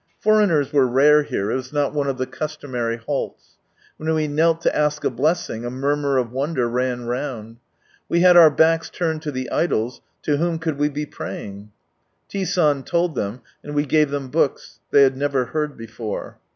Foreigners were rare here, it was not one of the customary halts. When we knelt to ask a blessiiig, a murmur of wonder ran round. We had our backs turned to the idols, to whom could we be praying? T. San told them, and we gave them books. They had never heard before.